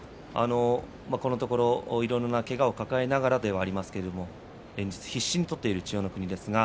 このところいろんなけがを抱えながらではありますけれど連日必死に相撲を取っている千代の国です。